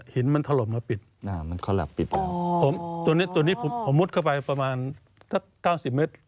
หินมันถลบแล้วปิดอ๋อตัวนี้ผมมุดเข้าไปประมาณ๙๐เมตร